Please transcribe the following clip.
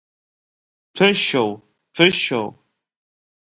Ҭәышьоу, ҭәышьоу!